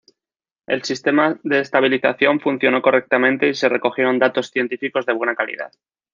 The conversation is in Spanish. El sistema de estabilización funcionó correctamente y se recogieron datos científicos de buena calidad